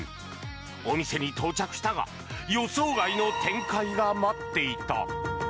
お店に到着したが予想外の展開が待っていた。